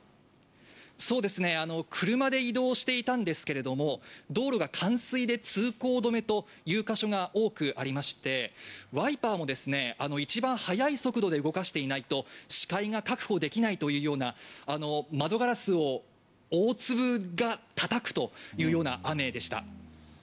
そうですね、車で移動していたんですけれども、道路が冠水で通行止めという箇所が多くありまして、ワイパーも一番速い速度で動かしていないと視界が確保できないというような、窓ガラスを大粒の雨が叩くというような雨でした。